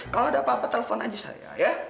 kalau ada apa apa telpon aja saya ya